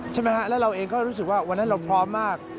ใช่ไหมฮะแล้วเราเองก็รู้สึกว่าวันนั้นเราพร้อมมาก